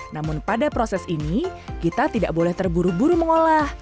namun pada proses ini kita tidak boleh terburu buru mengolah